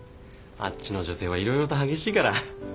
あっちの女性はいろいろと激しいから。